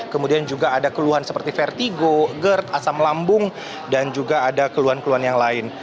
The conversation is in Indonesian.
kemudian juga ada keluhan seperti vertigo gerd asam lambung dan juga ada keluhan keluhan yang lain